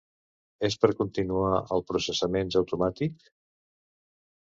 És per continuar el processaments automàtic?